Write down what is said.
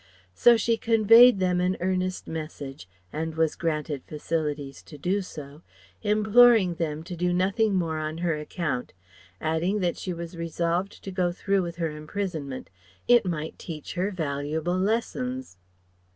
So she conveyed them an earnest message and was granted facilities to do so imploring them to do nothing more on her account; adding that she was resolved to go through with her imprisonment; it might teach her valuable lessons.